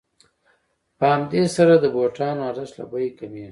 په همدې سره د بوټانو ارزښت له بیې کمېږي